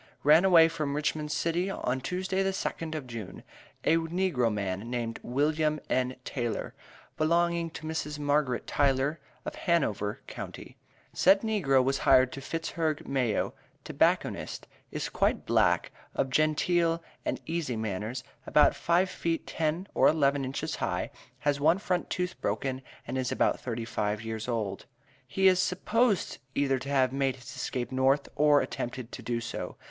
Ran away from Richmond City on Tuesday, the 2d of June, a negro man named WM. N. TAYLOR, belonging to Mrs. Margaret Tyler of Hanover county. Said negro was hired to Fitzhugh Mayo, Tobacconist; is quite black, of genteel and easy manners, about five feet ten or eleven inches high, has one front tooth broken, and is about 35 years old. He is supposed either to have made his escape North, or attempted to do so.